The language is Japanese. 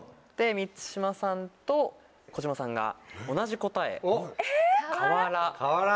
満島さんと児嶋さんが同じ答え「かわら」。